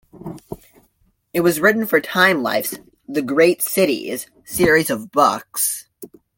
It was written for Time-Life's "The Great Cities" series of books.